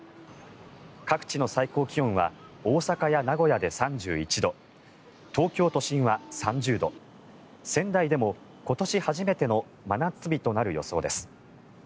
各地の最高気温は大阪や名古屋で３１度東京都心は３０度仙台でも今年初めての真夏日となる予想です。